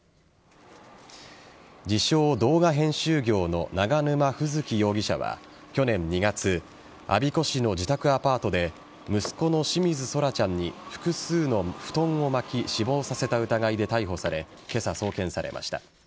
自称・動画編集業の永沼楓月容疑者は去年２月我孫子市の自宅アパートで息子の清水奏良ちゃんに複数の布団を巻き死亡させた疑いで逮捕され今朝送検されました。